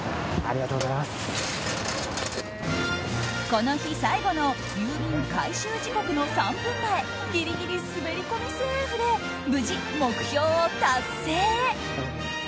この日最後の郵便回収時刻の３分前ギリギリ滑り込みセーフで無事、目標を達成。